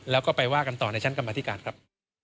แล้วก็ไปว่ากันต่อในชั้นกรรมธิการครับ